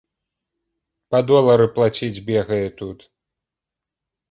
Па долары плаціць, бегае тут.